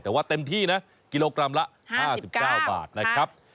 แต่ว่าเต็มที่นะกิโลกรัมละ๕๙บาทนะครับ